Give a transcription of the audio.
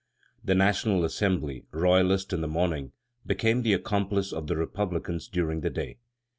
The National Assembly, royalist in the morning, became the accomplice of the republicans during the day.